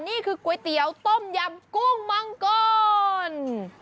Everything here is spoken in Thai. นี่คือก๋วยเตี๋ยวต้มยำกุ้งมังกร